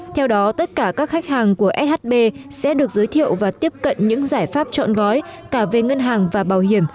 theo đó tất cả các khách hàng của shb sẽ được giới thiệu và tiếp cận những giải pháp chọn gói cả về ngân hàng và bảo hiểm